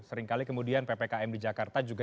seringkali kemudian ppkm di jakarta juga